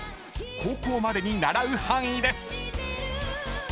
［高校までに習う範囲です］